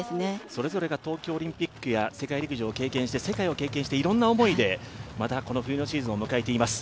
それぞれが東京オリンピックや世界陸上など世界を経験して、いろんな思いで、またこの冬のシーズンを迎えています。